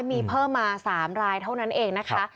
มีเพิ่มมา๓รายเท่านั้นเองนะคะ